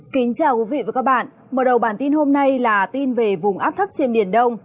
kính chào quý vị và các bạn mở đầu bản tin hôm nay là tin về vùng áp thấp trên biển đông